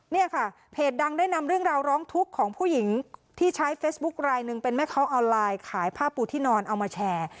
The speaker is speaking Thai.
เนี่ยค่ะเพจดังได้นำเรื่องราวร้องทุกข์ของผู้หญิงที่ใช้เฟซบุ๊คลายหนึ่งเป็นแม่ค้าออนไลน์ขายผ้าปูที่นอนเอามาแชร์